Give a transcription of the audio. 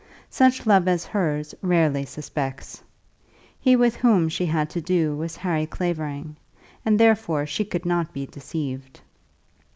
Such love as hers rarely suspects. He with whom she had to do was Harry Clavering, and therefore she could not be deceived.